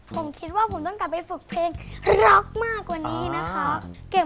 ผมคิดว่าผมต้องกลับไปฝึกเพลงร็อกมากกว่านี้นะครับ